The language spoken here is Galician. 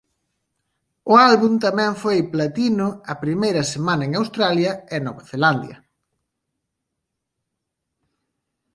O álbum tamén foi platino a primeira semana en Australia e Nova Zelandia.